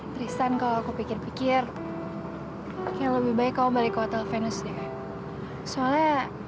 tristan kalau aku pikir pikir yang lebih baik kau balik hotel venus ya soalnya